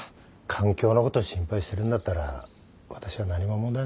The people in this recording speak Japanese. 環境のこと心配してるんだったら私は何も問題ないと思ってるよ。